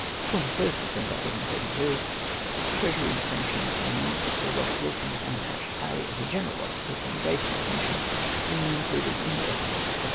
" 2\st December, 1832. — Treasury sanctions the amount of Sir Eobert Wilson's unattached pay as a general officer from the date of his commission being included in the estimates of 1833."